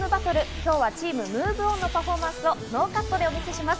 今日はチームＭｏｖｅＯｎのパフォーマンスをノーカットでお見せします。